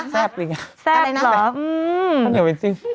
จิ้มอะไรครับอะไรนะครับเจ็บหรออืม